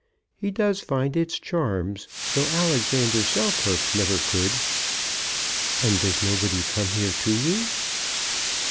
He does find its charms, though Alexander Selkirk never could." "And does nobody come here to you?"